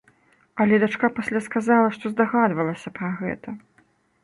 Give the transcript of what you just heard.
Але дачка пасля сказала, што здагадвалася пра гэта.